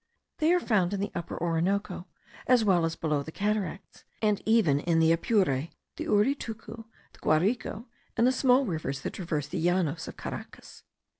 They are found in the Upper Orinoco, as well as below the cataracts, and even in the Apure, the Uritucu, the Guarico, and the small rivers that traverse the Llanos of Caracas.